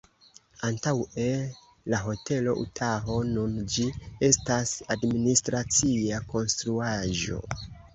Antaŭe la Hotelo Utaho, nun ĝi estas administracia konstruaĵo.